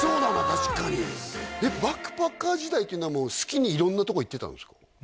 確かにバックパッカー時代っていうのはもう好きに色んなところ行ってたんですか？